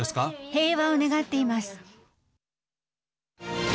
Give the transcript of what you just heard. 平和を願っています。